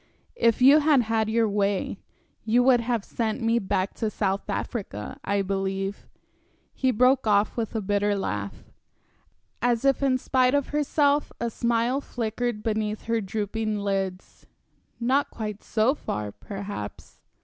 "If you had had your way, you would have sent me back to South Africa, I believe." He broke off with a bitter laugh. As if in spite of herself, a smile flickered beneath her drooping lids. "Not quite so far, perhaps."